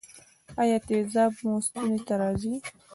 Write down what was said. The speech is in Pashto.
ایا تیزاب مو ستوني ته راځي؟